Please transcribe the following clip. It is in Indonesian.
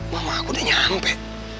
mama aku udah nyampe